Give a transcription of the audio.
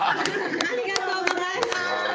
ありがとうございます！